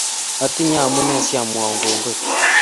Atinye amune si amwoun kongoi